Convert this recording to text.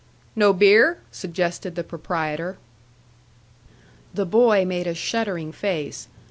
"No beer?" suggested the proprietor. The boy made a shuddering face.